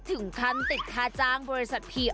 ถึงขั้นติดค่าจ้างบริษัทพี